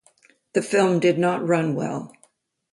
The film did not run well.